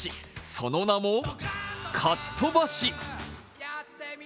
その名もかっとばし！！